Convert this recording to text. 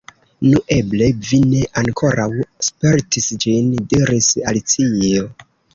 "Nu, eble vi ne ankoraŭ spertis ĝin," diris Alicio.